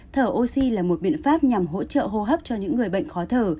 thở oxy là một biện pháp nhằm hỗ trợ hô hấp cho những người bệnh khó thở